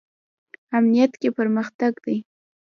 امنیت کې پرمختګ دی